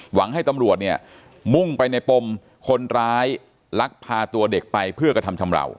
หวังให้ตำรวจเนี่ยมุ่งไปในปมคนร้ายลักพาตัวเด็กไปเพื่อกระทำชำราว